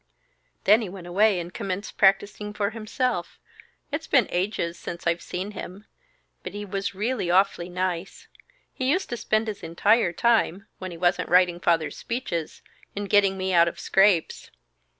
"Then he went away and commenced practising for himself. It's been ages since I've seen him; but he was really awfully nice. He used to spend his entire time when he wasn't writing Father's speeches in getting me out of scrapes.